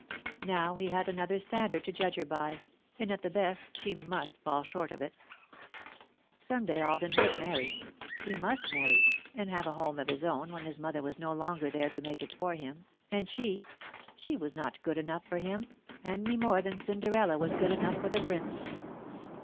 Now he had another standard to judge her by and, at the best, she must fall far short of it. Some day Alden would marry he must marry, and have a home of his own when his mother was no longer there to make it for him, and she she was not good enough for him, any more than Cinderella was good enough for the Prince.